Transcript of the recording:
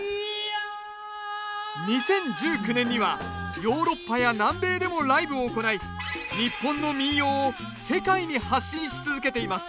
２０１９年にはヨーロッパや南米でもライブを行い日本の民謡を世界に発信し続けています